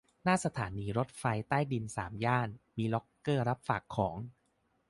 หน้าสถานีรถไฟใต้ดินสามย่าน มีล็อกเกอร์รับฝากของ